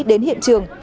đến hiện trường